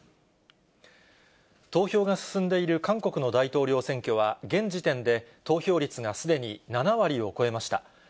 投票が進んでいる韓国の大統領選挙は、現時点で、投票率がすでに７割を超えました。